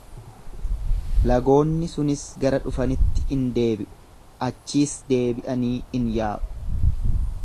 lagoonni sunis gara dhufanitti in deebi'u, achiis deebi'anii in yaa'u.